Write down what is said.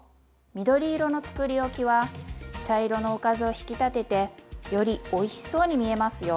緑色のつくりおきは茶色のおかずを引き立ててよりおいしそうに見えますよ。